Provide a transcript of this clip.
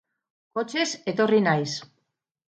Kotxez etorri naiz.